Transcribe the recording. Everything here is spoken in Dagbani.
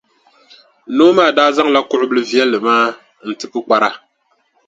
Noo maa daa zaŋla kuɣʼ bilʼ viɛlli maa n-ti pukpara.